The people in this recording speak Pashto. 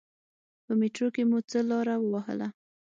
په میترو کې مو څه لاره و وهله.